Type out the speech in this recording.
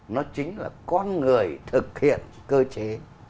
nó chính là con người thực hiện cơ chế